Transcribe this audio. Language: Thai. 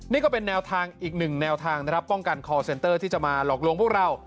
นี่ก็เป็นแนวทางอีกหนึ่งแนวทางนะครับป้องกันคอร์เซ็นเตอร์ที่จะมาหลอกลวงพวกเรา